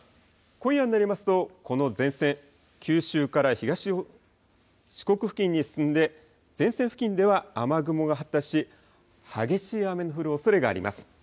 今夜になりますと、この前線、九州から四国付近に進んで、前線付近では雨雲が発達し、激しい雨の降るおそれがあります。